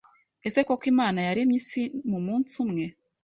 Ese koko Imana yaremye isi mumunsi umwe?